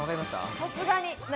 さすがに。